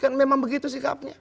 kan memang begitu sikapnya